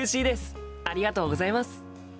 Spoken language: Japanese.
ありがとうございます。